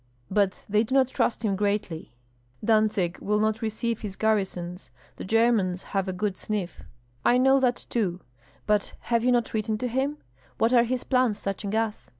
"But they do not trust him greatly. Dantzig will not receive his garrisons. The Germans have a good sniff." "I know that too. But have you not written to him? What are his plans touching us?"